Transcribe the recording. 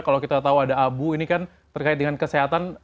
kalau kita tahu ada abu ini kan terkait dengan kesehatan